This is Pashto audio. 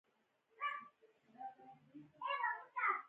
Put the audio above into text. د هوټل مخې ته یوه موټر هارن وواهه، ما وویل.